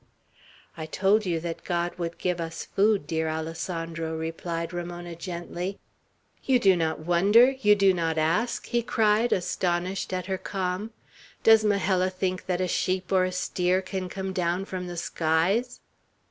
"I told you that God would give us food, dear Alessandro," replied Ramona, gently. "You do not wonder! You do not ask!" he cried, astonished at her calm. "Does Majella think that a sheep or a steer can come down from the skies?"